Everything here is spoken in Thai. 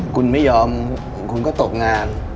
คุณไม่ยอมคุณก็ตกงาน